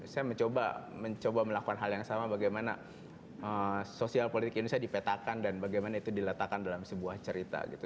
saya mencoba melakukan hal yang sama bagaimana sosial politik indonesia dipetakan dan bagaimana itu diletakkan dalam sebuah cerita gitu